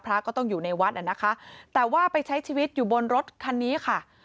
พระก็ต้องอยู่ในวัดอ่ะนะคะแต่ว่าไปใช้ชีวิตอยู่บนรถคันนี้ค่ะ